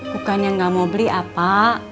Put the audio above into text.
bukannya nggak mau beli apa